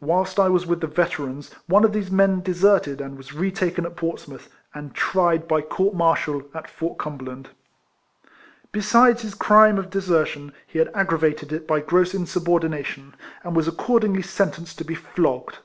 Whilst I was with the Veterans, one of these men deserted and was re taken at Portsmouth, and tried by court martal at Fort Cumber land. Besides his crime of desertion he had aggravated it by gross insubordination, and he was accordingly sentenced to be flogged.